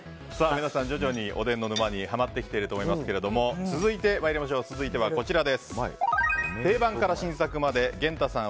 皆さん徐々におでんの沼にハマってきていると思いますが続いては定番から新作まで源太さん